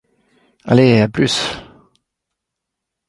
Allez, à plus !